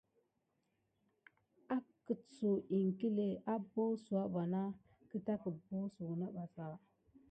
Akəɗsuw iŋkle afata suna abosuna kita ɓà.